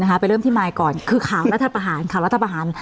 เราไปเริ่มที่มายก่อนคือข่าวรัฐบาหาร